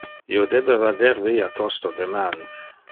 Io debe vader via tosto deman.